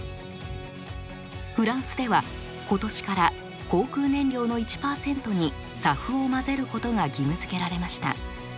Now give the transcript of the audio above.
フランスでは今年から航空燃料の１％にＳＡＦを混ぜることが義務づけられました。